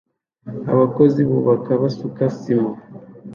Abakozi bubaka basuka sima